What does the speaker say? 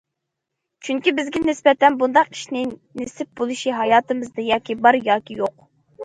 چۈنكى بىزگە نىسبەتەن بۇنداق ئىشنى نېسىپ بولۇشى ھاياتىمىزدا ياكى بار ياكى يوق.